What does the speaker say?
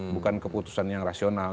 bukan keputusan yang rasional